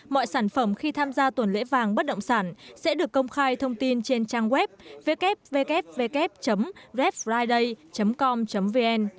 mọi sản phẩm khi tham gia tuần lễ vàng bất động sản sẽ được công khai thông tin trên trang web wwwlyday com vn